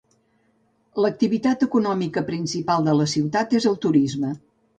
L'activitat econòmica principal de la ciutat és el turisme.